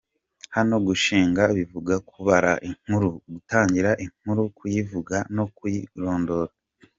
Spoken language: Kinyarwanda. Hano gushinga bivuga kubara inkuru, gutangira inkuru kuyivuga no kuyirondora.